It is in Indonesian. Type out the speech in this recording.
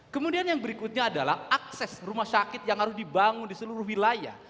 kemudian yang berikutnya adalah akses rumah sakit yang harus dibangun di seluruh wilayah